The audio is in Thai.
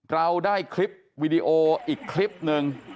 เราได้คลิปวีดีโออีกคลิปหนึ่ง